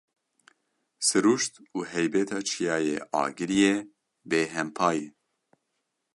Siruşt û heybeta çiyayê Agiriyê bêhempa ye.